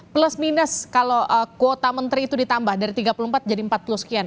plus minus kalau kuota menteri itu ditambah dari tiga puluh empat jadi empat puluh sekian